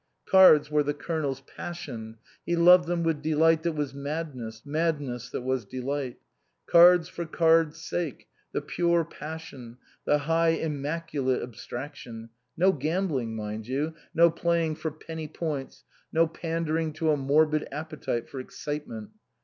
Cards were the Colonel's passion ; he loved them with delight that was madness, madness that was delight. Cards for cards' sake, the pure passion, the high, immaculate abstraction ; no gambling, mind you ; no playing for penny points ; no pandering to a morbid appetite for excitement.